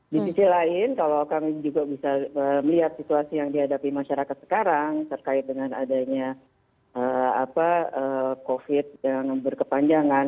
di sisi lain kalau kami juga bisa melihat situasi yang dihadapi masyarakat sekarang terkait dengan adanya covid yang berkepanjangan